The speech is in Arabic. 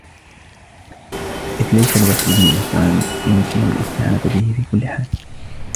إذْ لَيْسَ الْوَاحِدُ مِنْ الْإِخْوَانِ يُمْكِنُ الِاسْتِعَانَةُ بِهِ فِي كُلِّ حَالٍ